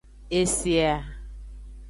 E se a.